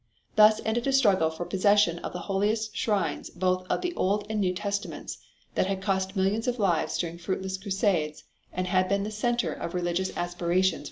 Thus ended a struggle for possession of the holiest of shrines both of the Old and New Testaments, that had cost millions of lives during fruitless crusades and had been the center of religious aspirations for ages.